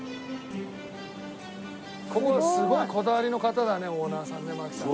ここすごいこだわりの方だねオーナーさんね槙さん。